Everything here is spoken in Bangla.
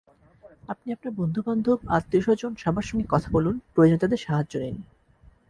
আপনি আপনার বন্ধুবান্ধব, আত্মীয়স্বজন—সবার সঙ্গে কথা বলুন, প্রয়োজনে তাঁদের সাহায্য নিন।